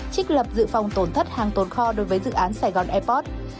trích lập dự phòng tổn thất hàng tổn kho đối với dự án sài gòn airways